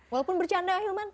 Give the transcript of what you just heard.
walaupun bercanda ya hilman